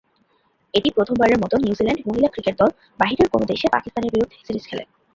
এটি প্রথমবারের মতো নিউজিল্যান্ড মহিলা ক্রিকেট দল বাহিরের কোন দেশে পাকিস্তানের বিপরীতে সিরিজ খেলে।